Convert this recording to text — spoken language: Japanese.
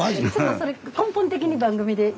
それ根本的に番組で。